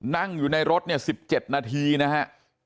นั่งอยู่ในรถเนี่ย๑๗นาทีนะฮะ